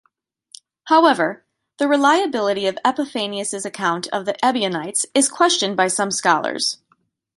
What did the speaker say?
However, the reliability of Epiphanius' account of the Ebionites is questioned by some scholars.